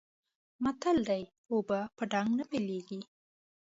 متل دی: اوبه په ډانګ نه بېلېږي.